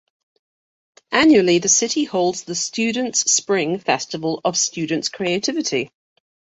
Annually the city holds the "Students' spring" festival of students' creativity.